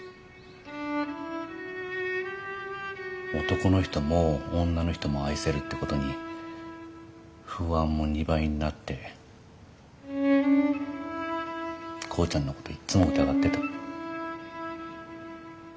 男の人も女の人も愛せるってことに不安も二倍になって耕ちゃんのこといつも疑ってた。